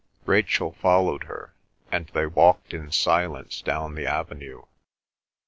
Rachel followed her, and they walked in silence down the avenue.